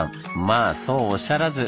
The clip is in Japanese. まあそうおっしゃらず。